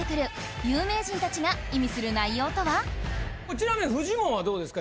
ちなみにフジモンはどうですか？